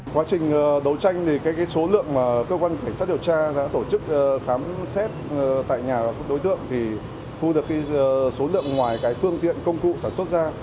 quá trình đấu tranh thì số lượng mà cơ quan cảnh sát điều tra đã tổ chức khám xét tại nhà đối tượng thì không được số lượng ngoài phương tiện công cụ sản xuất ra